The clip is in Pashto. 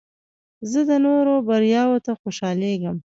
زه د نورو بریاوو ته خوشحالیږم.